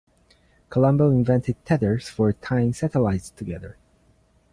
Colombo invented tethers for tying satellites together.